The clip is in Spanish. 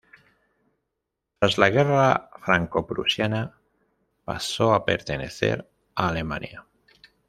Tras la guerra Franco-Prusiana pasó a pertenecer a Alemania.